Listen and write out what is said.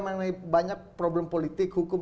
mengenai banyak problem politik hukum